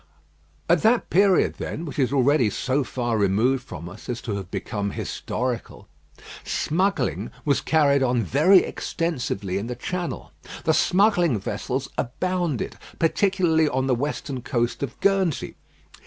At that period, then, which is already so far removed from us as to have become historical, smuggling was carried on very extensively in the Channel. The smuggling vessels abounded, particularly on the western coast of Guernsey.